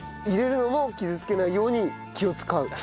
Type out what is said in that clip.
入れるのも傷つけないように気を使う？